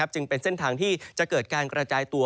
จึงเป็นเส้นทางที่จะเกิดการกระจายตัว